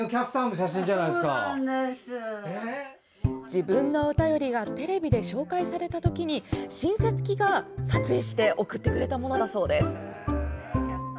自分のお便りがテレビで紹介された時に親戚が撮影して送ってくれたものです。